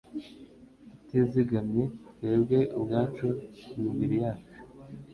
tutizigamye twebwe ubwacu, imibiri yacu,